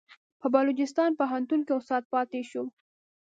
په بلوچستان پوهنتون کې استاد پاتې شو.